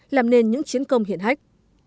làm nên những chiến công hiển hách